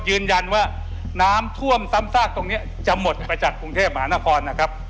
ยืนยันว่าน้ำท่วมซ้ำซากตรงนี้จะหมดไปจากกรุงเทพมหานครนะครับ